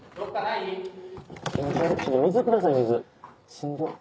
しんどい。